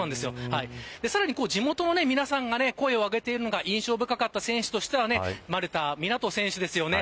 さらに地元の皆さんが声を上げているのが印象深かった選手としては丸田湊斗選手ですよね。